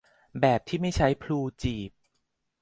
แบบที่ไม่ใช้พลูจีบ